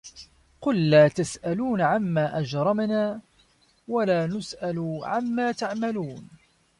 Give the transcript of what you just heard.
قُل لا تُسأَلونَ عَمّا أَجرَمنا وَلا نُسأَلُ عَمّا تَعمَلونَ